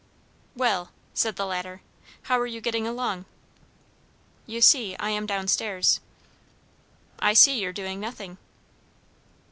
"Well!" said the latter, "how are you getting along?" "You see, I am down stairs." "I see you're doing nothing."